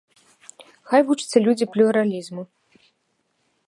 Хай вучацца людзі плюралізму.